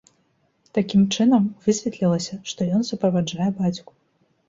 Такім чынам, высветлілася, што ён суправаджае бацьку.